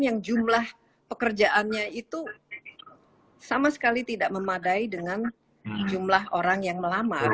yang jumlah pekerjaannya itu sama sekali tidak memadai dengan jumlah orang yang melamar